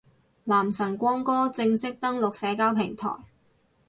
男神光哥正式登陸社交平台